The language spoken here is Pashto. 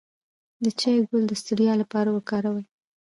د چای ګل د ستړیا لپاره وکاروئ